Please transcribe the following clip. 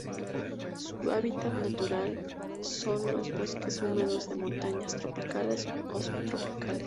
Su hábitat natural son los bosques húmedos de montaña tropicales o subtropicales.